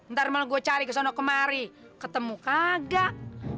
ntar malah gua cari kesono kemari ketemu kagak